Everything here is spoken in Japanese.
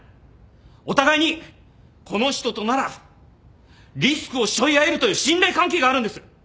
お互いにこの人とならリスクをしょい合えるという信頼関係があるんです。